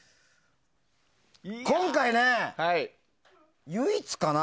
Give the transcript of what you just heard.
今回ね、唯一かな？